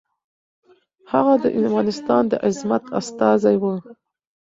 هغه د افغانستان د عظمت استازی و.